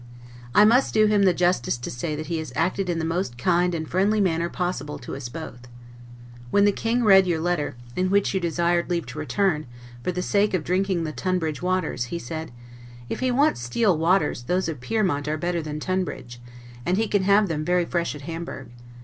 I must do him the justice to say that he has acted in the most kind and friendly manner possible to us both. When the King read your letter, in which you desired leave to return, for the sake of drinking the Tunbridge waters, he said, "If he wants steel waters, those of Pyrmont are better than Tunbridge, and he can have them very fresh at Hamburg.